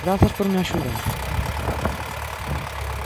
Grazas por me axudar